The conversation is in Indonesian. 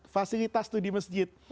fasilitas di masjid